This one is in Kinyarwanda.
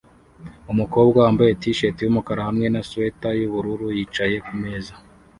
Umukobwa wambaye t-shati yumukara hamwe na swater yubururu yicaye kumeza